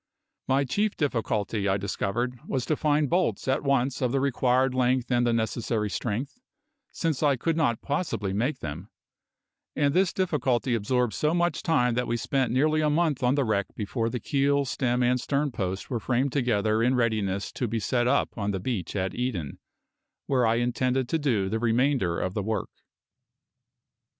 My chief difficulty, I discovered, was to find bolts at once of the required length and the necessary strength, since I could not possibly make them; and this difficulty absorbed so much time that we spent nearly a month on the wreck before the keel, stem, and sternpost were framed together in readiness to be set up on the beach at Eden, where I intended to do the remainder of the work.